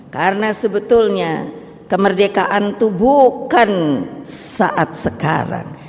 karena sebetulnya kemerdekaan itu bukan saat sekarang